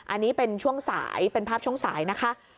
อันนี้เป็นช่วงสายเป็นภาพช่วงสายนะคะ